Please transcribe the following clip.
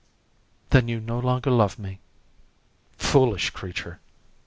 "Then you no longer love me." "Foolish creature!"